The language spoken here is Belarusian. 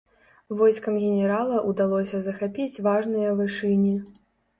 Войскам генерала ўдалося захапіць важныя вышыні.